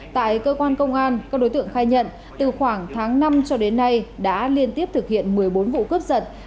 tại cơ quan công an các đối tượng khai nhận từ khoảng tháng năm cho đến nay đã liên tiếp thực hiện một mươi bốn vụ cướp giật